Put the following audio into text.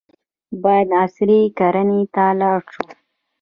باید عصري کرنې ته لاړ شو.